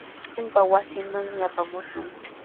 Kikinpa wasinmanmi apamaashun.